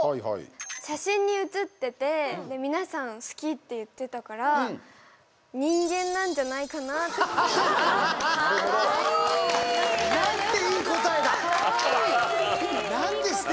写真に写ってて皆さん好きって言ってたから人間なんじゃないかなって。なんていい答えだ！なんて